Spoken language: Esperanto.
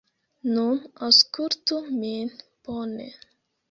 Nun aŭskultu min bone.